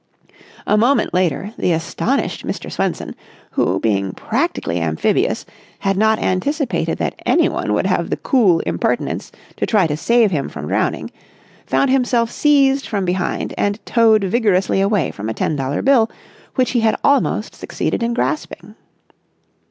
A moment later, the astonished Mr. Swenson who, being practically amphibious, had not anticipated that anyone would have the cool impertinence to try to save him from drowning, found himself seized from behind and towed vigorously away from a ten dollar bill which he had almost succeeded in grasping.